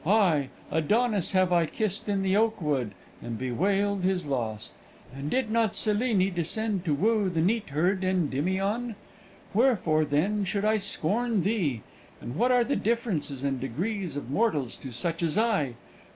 Aye, Adonis have I kissed in the oakwood, and bewailed his loss. And did not Selene descend to woo the neatherd Endymion? Wherefore, then, should I scorn thee? and what are the differences and degrees of mortals to such as I!